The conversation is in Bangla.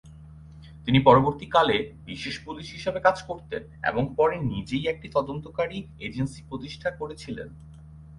তিনি পরবর্তীকালে বিশেষ পুলিশ হিসেবে কাজ করতেন এবং পরে নিজেই একটি তদন্তকারী এজেন্সি প্রতিষ্ঠা করেছিলেন।